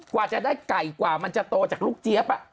กว่าจะได้ไก่กว่ามันจะโตจากลูกเจี๊ยบ